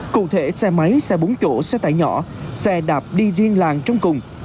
cụ thể xe máy xe bốn chỗ xe tải nhỏ xe đạp đi riêng làng trong cùng